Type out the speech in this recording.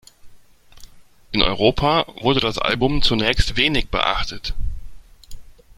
In Europa wurde das Album zunächst wenig beachtet.